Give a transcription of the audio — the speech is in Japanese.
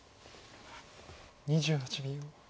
２８秒。